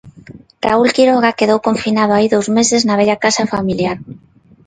Raúl Quiroga quedou confinado hai dous meses na vella casa familiar.